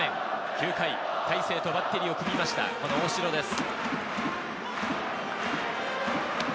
９回、大勢とバッテリーを組みました大城です。